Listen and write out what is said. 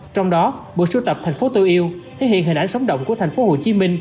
trong đó bộ sưu tập tp tô yêu thể hiện hình ảnh sóng động của tp hcm